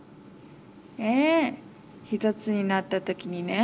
『ええ、ひとつになったときにね。